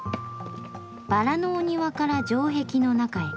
バラのお庭から城壁の中へ。